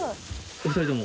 お二人とも？